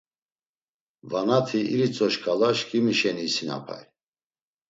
Vanati iritzo şǩala, şǩimi şeni isinapay.